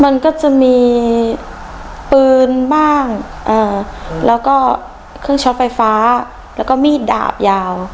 มันก็จะมีปืนบ้างแล้วก็เครื่องช็อตไฟฟ้าแล้วก็มีดดาบยาว